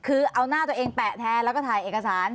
คือเอาหน้าตัวเองแปะแทนแล้วก็ถ่ายเอกสาร